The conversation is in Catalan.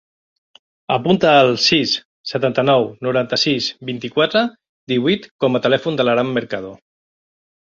Apunta el sis, setanta-nou, noranta-sis, vint-i-quatre, divuit com a telèfon de l'Aram Mercado.